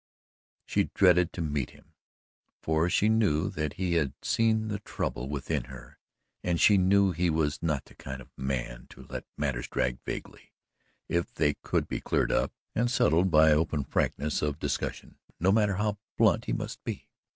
She dreaded to meet him, for she knew that he had seen the trouble within her and she knew he was not the kind of man to let matters drag vaguely, if they could be cleared up and settled by open frankness of discussion, no matter how blunt he must be.